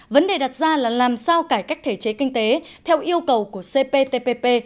vấn đề đặt ra là làm sao cải cách thể chế kinh tế theo yêu cầu của cptpp